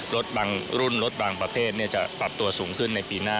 รถบางรุ่นรถบางประเภทจะปรับตัวสูงขึ้นในปีหน้า